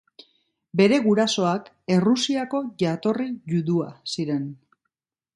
Bere gurasoak Errusiako jatorri judua ziren.